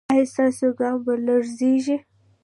ایا ستاسو ګام به لړزیږي؟